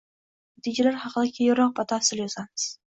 Natijalar haqida keyinroq batafsil yozamiz.